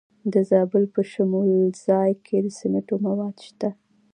د زابل په شمولزای کې د سمنټو مواد شته.